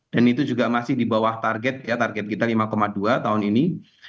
dan itu juga masih di bawah target ya target kita lima dua tahun ini